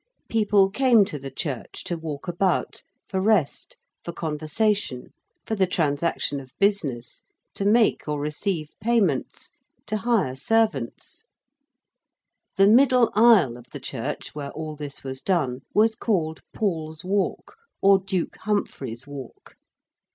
People came to the church to walk about, for rest, for conversation, for the transaction of business to make or receive payments: to hire servants. The middle aisle of the church where all this was done was called Paul's Walk or Duke Humphrey's Walk.